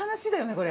これ。